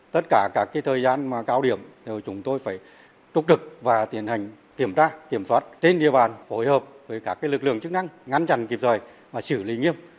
tất cả các thời gian cao điểm chúng tôi phải trúc trực và tiến hành kiểm tra kiểm soát trên địa bàn phối hợp với các lực lượng chức năng ngăn chặn kịp thời và xử lý nghiêm